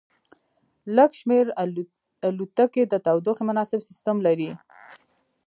لږ شمیر الوتکې د تودوخې مناسب سیستم لري